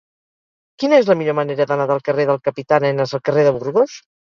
Quina és la millor manera d'anar del carrer del Capità Arenas al carrer de Burgos?